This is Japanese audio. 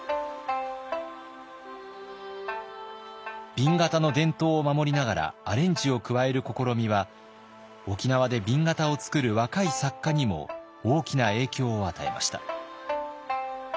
紅型の伝統を守りながらアレンジを加える試みは沖縄で紅型を作る若い作家にも大きな影響を与えました。